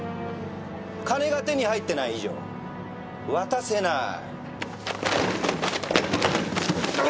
金が手に入ってない以上渡せなーい。